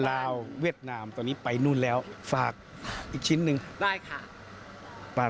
อ้าวอันนี้ประเทศเพื่อนบ้าน